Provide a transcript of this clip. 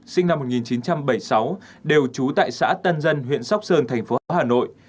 sinh năm một nghìn chín trăm bảy mươi sáu đều trú tại xã tân dân huyện sóc sơn thành phố hà nội